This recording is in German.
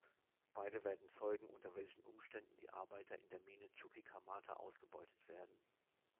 Beide werden Zeugen, unter welchen Umständen die Arbeiter in der Mine Chuquicamata ausgebeutet werden.